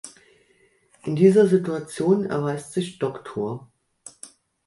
In dieser Situation erweist sich Dr.